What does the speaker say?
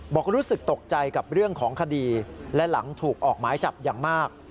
บอกรู้สึกตกใจกับเรื่องของคดีและหลังถูกออกหมายจับอย่างมาก